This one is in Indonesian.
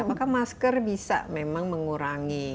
apakah masker bisa memang mengurangi